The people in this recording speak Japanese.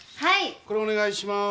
これお願いしまーす。